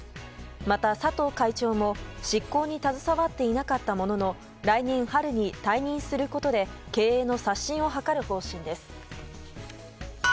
また佐藤会長も執行に携わっていなかったものの来年春に退任することで経営の刷新を図る方針です。